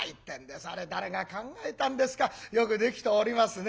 あれ誰が考えたんですかよくできておりますね。